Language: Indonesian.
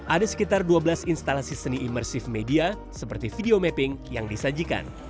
ada sekitar dua belas instalasi seni imersif media seperti video mapping yang disajikan